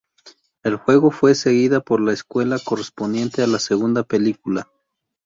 El juego fue seguida por la secuela correspondiente a la segunda película.